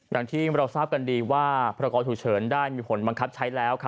อย่างที่เราทราบกันดีว่าพรกรฉุกเฉินได้มีผลบังคับใช้แล้ว